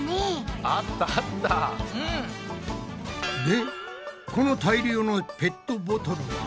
でこの大量のペットボトルは？